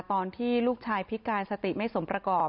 ตอนที่ลูกชายพิการสติไม่สมประกอบ